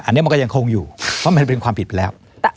อันนี้มันก็ยังคงอยู่เพราะมันเป็นความผิดไปแล้ว